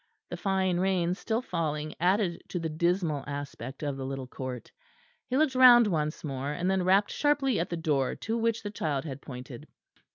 The fine rain still falling added to the dismal aspect of the little court. He looked round once more; and then rapped sharply at the door to which the child had pointed.